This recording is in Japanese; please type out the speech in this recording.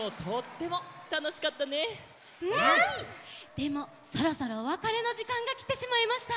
でもそろそろおわかれのじかんがきてしまいました。